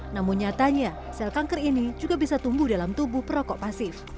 namun nyatanya sel kanker ini juga bisa tumbuh dalam tubuh perokok pasif